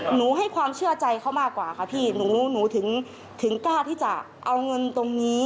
ให้ความเชื่อใจเขามากกว่าค่ะพี่หนูถึงกล้าที่จะเอาเงินตรงนี้